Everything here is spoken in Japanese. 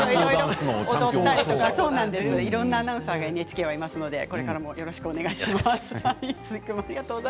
いろいろアナウンサーがＮＨＫにはいますのでこれからもよろしくお願いします。